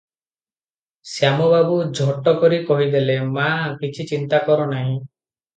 ଶ୍ୟାମବାବୁ ଝଟ କରି କହିଦେଲେ "ମା, କିଛି ଚିନ୍ତା କର ନାହିଁ ।